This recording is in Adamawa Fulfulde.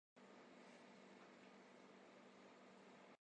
Nde bojel warti, wii, naa jahaangal men lorake?